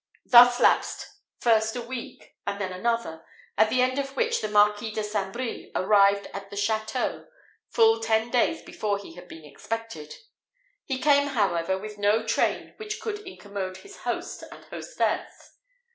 Thus lapsed first a week, and then another, at the end of which the Marquis de St. Brie arrived at the château, full ten days before he had been expected. He came, however, with no train which could incommode his host and hostess.